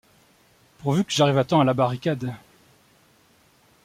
Pourvu que j’arrive à temps à la barricade!